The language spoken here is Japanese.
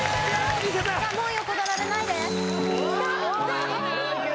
もう横取られないで・きた！